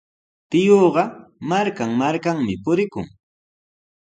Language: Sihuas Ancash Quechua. Tiyuuqa markan-markanmi purikun.